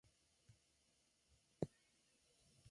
Posteriormente, apareció en el álbum "The Message".